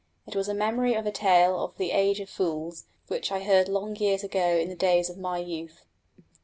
It was a memory of a tale of the Age of Fools, which I heard long years ago in the days of my youth.